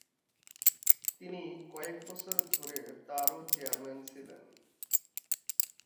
তিনি কয়েক বছর ধরে তারও চেয়ারম্যান ছিলেন।